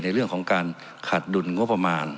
ในเรื่องของการขาดดุลงบประมาณ